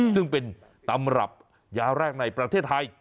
ซึ่งเป็นตำรับยาแรกในประเทศไทย